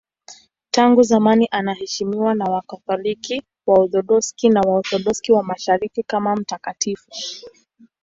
Tangu zamani anaheshimiwa na Wakatoliki, Waorthodoksi na Waorthodoksi wa Mashariki kama mtakatifu.